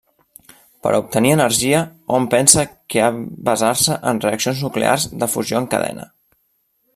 Per a obtenir energia hom pensa a basar-se en reaccions nuclears de fusió en cadena.